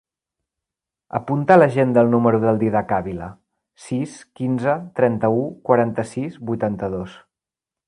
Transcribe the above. Apunta a l'agenda el número del Dídac Avila: sis, quinze, trenta-u, quaranta-sis, vuitanta-dos.